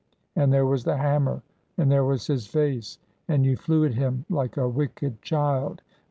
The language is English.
And there was the hammer and there was his face. And you flew at him like a wicked child.